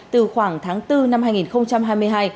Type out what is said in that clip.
từ khoảng tháng bốn năm hai nghìn hai mươi hai